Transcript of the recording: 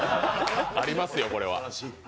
ありますよ、これは。